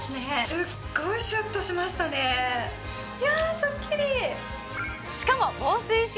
すっごいシュッとしましたねいやスッキリ！